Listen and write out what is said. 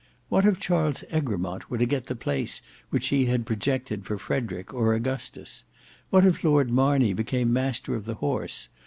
What if Charles Egremont were to get the place which she had projected for Frederick or Augustus? What if Lord Marney became master of the horse?